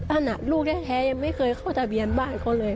นั่นลูกแท้ยังไม่เคยเข้าทะเบียนบ้านเขาเลย